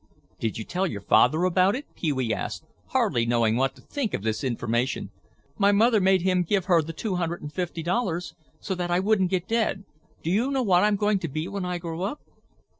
"Did you tell your father about it?" Pee wee asked, hardly knowing what to think of this information. "My mother made him give her the two hundred and fifty dollars so I wouldn't get dead. Do you know what I'm going to be when I grow up?"